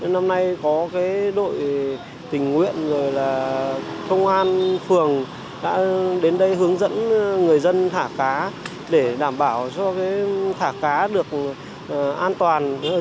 năm nay có đội tình nguyện là công an phường đã đến đây hướng dẫn người dân thả cá để đảm bảo cho thả cá được an toàn